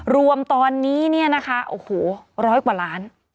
รวมตอนนี้เนี่ยนะคะโอ้โหร้อยกว่าล้าน